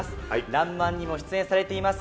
「らんまん」にも出演されています